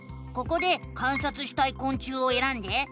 ここで観察したいこん虫をえらんで。